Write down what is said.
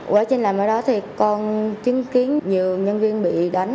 quá trình làm ở đó thì con chứng kiến nhiều nhân viên bị đánh